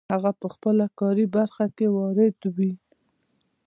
هغه په خپله کاري برخه کې وارد وي.